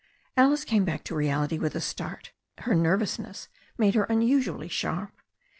Alice came back to reality with a start. Her nervousness made her unusually sharp.